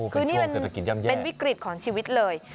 คือนี่เป็นวิกฤตของชีวิตเลย